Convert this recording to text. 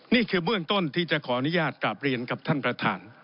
นี่คือเบื้องต้นที่จะขออนุญาตกลับเรียนกับท่านประธาน